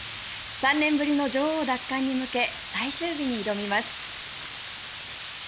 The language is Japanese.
３年ぶりの女王奪還に向け最終日に挑みます。